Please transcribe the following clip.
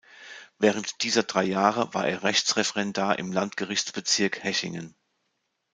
Während dieser drei Jahre war er Rechtsreferendar im Landgerichtsbezirk Hechingen.